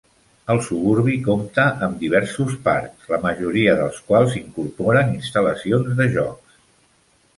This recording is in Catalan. El suburbi compte amb diversos parcs, la majoria dels quals incorporen instal·lacions de jocs.